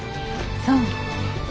そう。